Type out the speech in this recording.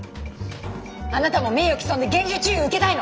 あなたも名誉毀損で厳重注意受けたいの？